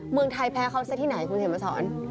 เมืองไทยแพ้เขาซะที่ไหนคุณเขียนมาสอน